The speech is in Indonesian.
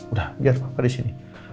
udah biar papa disini